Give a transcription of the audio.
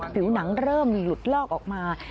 ผิวหนังเริ่มหลุดลอกออกมา